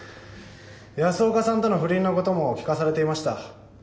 安岡さんとの不倫のことも聞かされていました。